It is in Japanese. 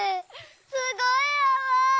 すごいあわ！